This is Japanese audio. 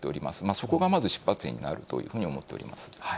そこがまず出発点になるというふうに思っております。